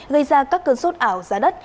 gây ra các cơn sốt ảo ra đất